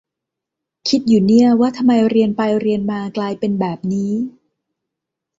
คิดอยู่เนี่ย ว่าทำไมเรียนไปเรียนมากลายเป็นแบบนี้